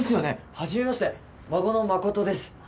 初めまして孫の真です。